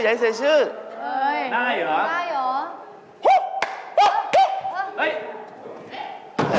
เฮ่ยน่าเหรอ